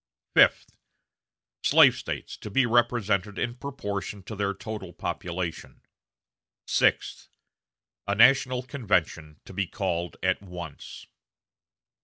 Fifth. Slave States to be represented in proportion to their total population. Sixth. A national convention to be called at once.